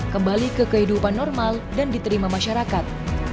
kembali ke kehidupan normal dan diterima masyarakat